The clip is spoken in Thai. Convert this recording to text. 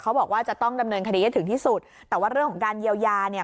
บอกว่าจะต้องดำเนินคดีให้ถึงที่สุดแต่ว่าเรื่องของการเยียวยาเนี่ย